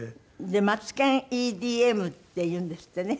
で『マツケンＥＤＭ』って言うんですってね。